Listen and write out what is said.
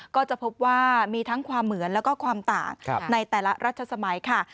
ก็จะพบว่ามีทั้งความเหมือนแล้วก็ความต่างในแต่ละรัชสมัยค่ะ